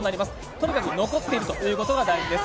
とにかく残っているということが大事です。